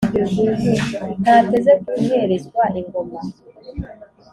ntateze guherezwa ingoma,